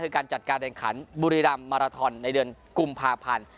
คือการจัดการแข่งขันบุรีรำมาราทอนในเดือนกุมภาพันธ์